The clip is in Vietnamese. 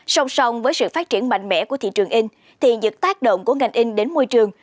sông sông với sự phát triển mạnh mẽ của thị trường in thì dựt tác động của ngành in đến môi trường